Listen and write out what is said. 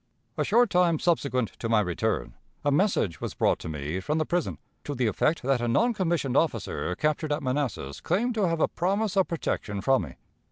A short time subsequent to my return, a message was brought to me from the prison, to the effect that a non commissioned officer, captured at Manassas, claimed to have a promise of protection from me.